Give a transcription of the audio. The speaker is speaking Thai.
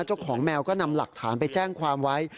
เจ้าของแมวก็นำหลักฐานไปแจ้งความไว้